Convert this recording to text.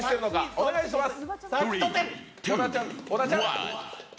お願いします。